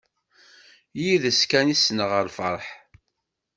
Yid-s kan ssneɣ lferḥ.